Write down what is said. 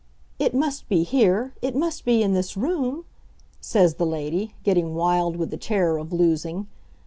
"It must be here it must be in this room," says the lady, getting wild with the terror of losing.